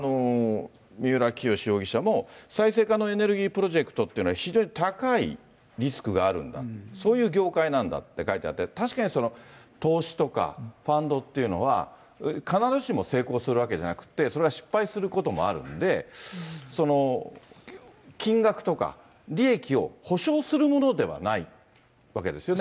三浦清志容疑者も、再生可能エネルギープロジェクトというのは、非常に高いリスクがあるんだ、そういう業界なんだって書いてあって、確かに投資とか、ファンドっていうのは、必ずしも成功するわけじゃなくて、それが失敗することもあるんで、金額とか、利益を保証するものではないわけですよね。